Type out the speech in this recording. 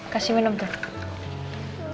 kasih minum tuh